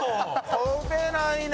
「飛べないね」